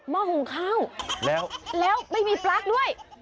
ม่อหงข้าวแล้วไม่มีปลั๊กด้วย